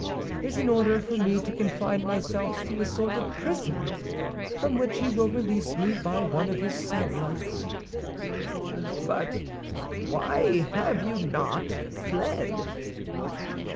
"Is an order for me to confine myself to a sort of prison, from which he will release me by one of his satellites." "But why have you not fled?"